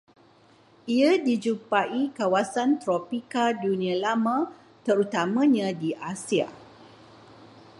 Ia dijumpai kawasan tropika Dunia Lama terutamanya di Asia